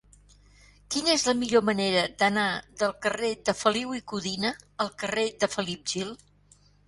Quina és la millor manera d'anar del carrer de Feliu i Codina al carrer de Felip Gil?